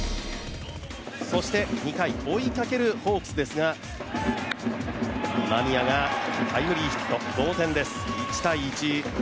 そして２回、追いかけるホークスですが、今宮がタイムリーヒット、同点です。